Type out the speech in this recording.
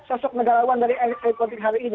sosok negarawan dari elit elit politik hari ini